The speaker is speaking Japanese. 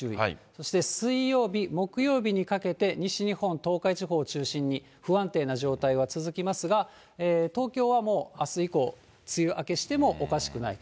そして水曜日、木曜日にかけて西日本、東海地方を中心に不安定な状態は続きますが、東京はもうあす以降、梅雨明けしてもおかしくない。